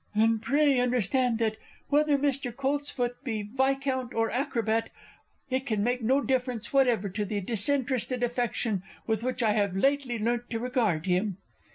_ And pray, understand that, whether Mr. Coltsfoot be viscount or acrobat, it can make no difference whatever to the disinterested affection with which I have lately learnt to regard him.